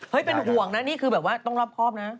เป็นห่วงนะนี่คือแบบว่าต้องรอบครอบนะ